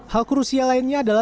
hal krusia lainnya adalah